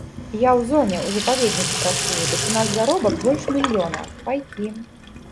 Я ў зоне, у запаведніку працую, дык у нас заробак больш мільёна, пайкі.